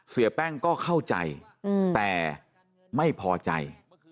เสียแป้งก็เข้าใจแต่ไม่พอใจ